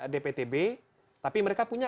dptb tapi mereka punya